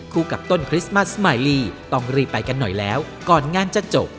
กับต้นคริสต์มัสมายลีต้องรีบไปกันหน่อยแล้วก่อนงานจะจบ